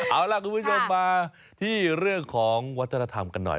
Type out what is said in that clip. เอาล่ะคุณผู้ชมมาที่เรื่องของวัฒนธรรมกันหน่อย